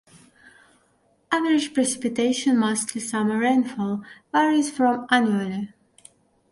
Average precipitation, mostly summer rainfall, varies from annually.